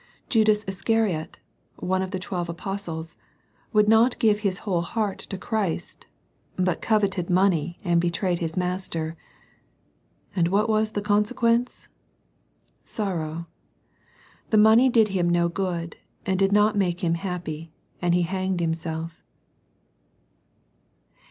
Judas Iscariot, one of the twelve Apostles, would not give his whole heart to Christ, but coveted money, and betrayed his Master. And what was the consequence? Sorrow. The money did him no good, and did not make him happy, and he hanged himself.